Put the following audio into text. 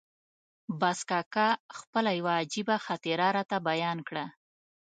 باز کاکا خپله یوه عجیبه خاطره راته بیان کړه.